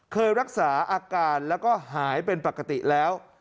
เคยรักษาอาการแล้วก็หายเป็นปกติแล้ว